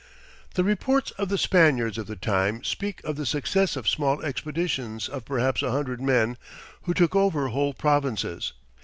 The reports of the Spaniards of the time speak of the success of small expeditions of perhaps a hundred men, who took over whole provinces.